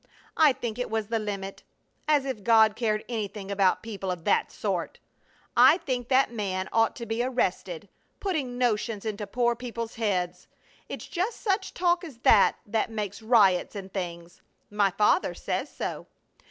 I think it was the limit! As if God cared anything about people of that sort! I think that man ought to be arrested, putting notions into poor people's heads! It's just such talk as that that makes riots and things. My father says so!